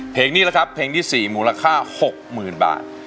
เพลงนี้แหละครับเพลงที่๔มูลค่า๖๐๐๐บาท